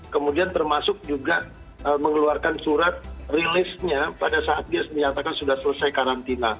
kemudian termasuk juga mengeluarkan surat